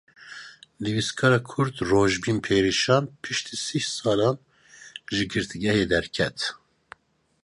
Nivîskara Kurd Rojbîn Perişan piştî sih salan ji girtîgehê derket.